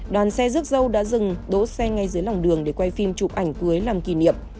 đoàn xe rước dâu đã dừng đỗ xe ngay dưới lòng đường để quay phim chụp ảnh cưới làm kỷ niệm